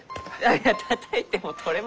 いやたたいても取れませんき。